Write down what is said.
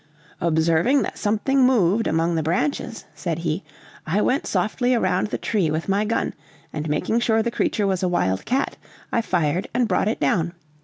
"Observing that something moved among the branches," said he, "I went softly around the tree with my gun, and making sure the creature was a wild cat, I fired and brought it down.